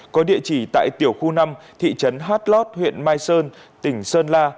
có địa chỉ tại tiểu khu năm thị trấn hát lót huyện mai sơn tỉnh sơn la